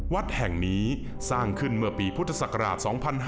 วัดแห่งนี้สร้างขึ้นเมื่อปีพุทธศักราช๒๕๕๙